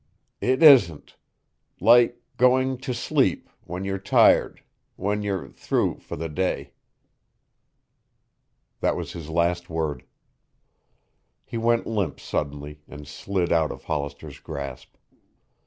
"It isn't. Like going to sleep when you're tired when you're through for the day." That was his last word. He went limp suddenly and slid out of Hollister's grasp.